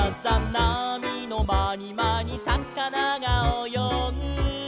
「なみのまにまにさかながおよぐ」